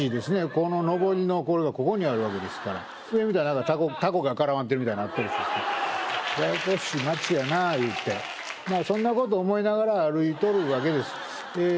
こののぼりのこれがここにあるわけですから上見たら何かタコが絡まってるみたいになってるしややこしい街やな言うてまあそんなこと思いながら歩いとるわけですえー